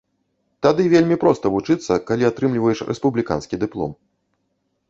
Тады вельмі проста вучыцца, калі атрымліваеш рэспубліканскі дыплом.